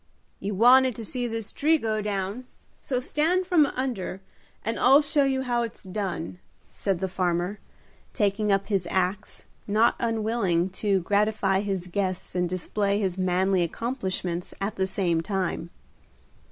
"You wanted to see this tree go down, so stand from under and I'll show you how it's done," said the farmer, taking up his axe, not unwilling to gratify his guests and display his manly accomplishments at the same time.